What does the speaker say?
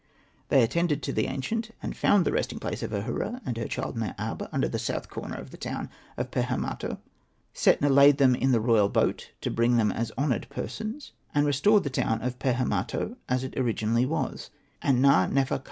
They attended to the ancient, and found the resting place of Ahura and her child Mer ab under the south corner of the town of Pehemato. Setna laid them in the royal boat to bring them as honoured persons, and restored the town of Pehemato as it originally was. And Na.nefer.